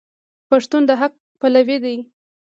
پښتون د حق پلوی دی.